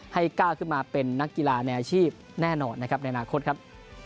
ก้าวขึ้นมาเป็นนักกีฬาในอาชีพแน่นอนนะครับในอนาคตครับ